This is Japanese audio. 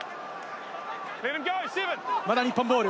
まだ日本ボール。